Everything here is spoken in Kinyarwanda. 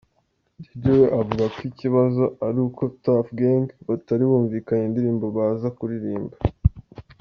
Dj we avuga ko ikibazo ari uko Tuff Gang batari bumvikanye indirimbo baza kuririmba….